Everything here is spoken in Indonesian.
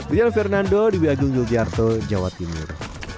rial fernando di biagung yogyarto jawa timur